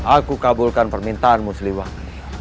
aku kabulkan permintaanmu siliwang